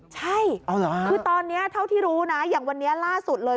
ใช่คือตอนนี้เท่าที่รู้นะอย่างวันนี้ล่าสุดเลย